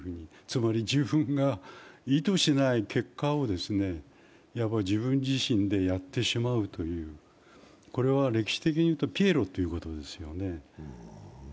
つまり自分が意図しない結果を自分自身でやってしまうという、歴史的に言うとピエロっていうことですよね。